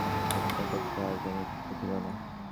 অন্য পক্ষ হইতে আর কোনো প্রশ্ন উঠিল না।